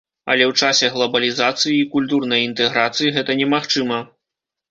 Але ў часе глабалізацыі і культурнай інтэграцыі гэта немагчыма.